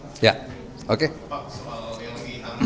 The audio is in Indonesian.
pak soal yang lagi anda bincangkan pas secara kapitulasi itu